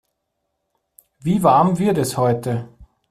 Wie warm wird es heute?